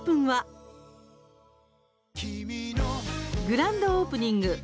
グランドオープニング